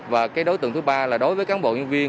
và cái đối tượng thứ ba là đối với cán bộ nhân viên